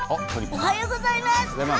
おはようございます。